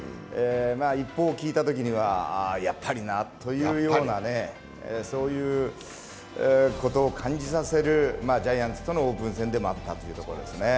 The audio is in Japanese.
一報を聞いたときには、やっぱりなというようなね、そういうことを感じさせるジャイアンツとのオープン戦でもあったということですね。